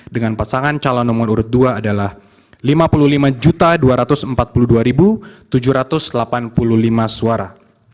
dengan pasangan calon nomor urut dua adalah lima puluh lima dua ratus empat puluh dua tujuh ratus delapan puluh lima suara